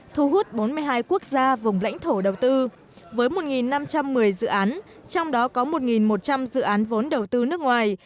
thu hút bốn mươi hai quốc gia vùng lãnh thổ đầu tư với một năm trăm một mươi dự án trong đó có một một trăm linh dự án vốn đầu tư nước ngoài